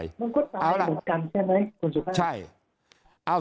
มันก็ตายเหมือนกันใช่ไหมคุณสุภาพใช่